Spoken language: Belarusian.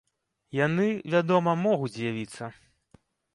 Яны, вядома, могуць з'явіцца.